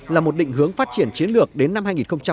là một định hướng phát triển chiến lược đến năm hai nghìn ba mươi